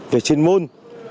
về chuyên môn